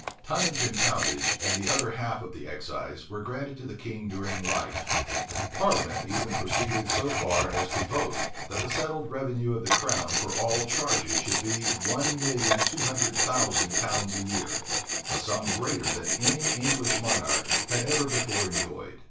Tonnage and poundage and the other half of the excise, were granted to the king during life. The parliament even proceeded so far as to vote, that the settled revenue of the crown for all charges should be one million two hundred thousand pounds a year; a sum greater than any English monarch had ever before enjoyed.